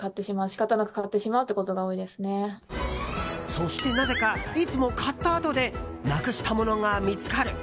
そして、なぜかいつも買ったあとでなくしたものが見つかる。